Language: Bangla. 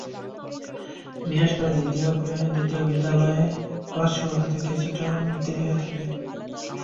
বিশেষ করে দ্বিতীয় বিদ্যালয়ের ক্লাস শুরু হতে কিছুটা দেরি হয়ে থাকে।